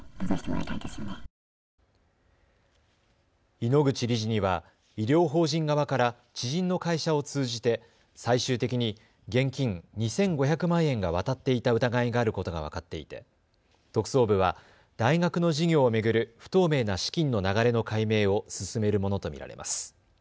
井ノ口理事には医療法人側から知人の会社を通じて最終的に現金２５００万円が渡っていた疑いがあることが分かっていて特捜部は大学の事業を巡る不透明な資金の流れの解明を進めるものと見られます。